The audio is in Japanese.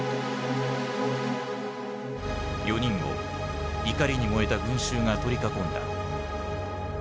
４人を怒りに燃えた群衆が取り囲んだ。